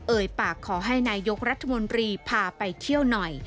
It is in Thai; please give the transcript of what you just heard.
ปากขอให้นายกรัฐมนตรีพาไปเที่ยวหน่อย